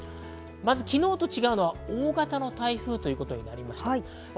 昨日と違うのは大型の台風ということになりました。